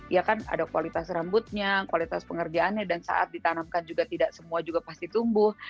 ya kan ada kualitas rambutnya kualitas pengerjaannya dan saat ditanamkan juga tidak semua juga pasti tumbuh